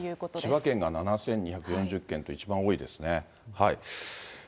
千葉県が７２４０軒と、一番多いですね。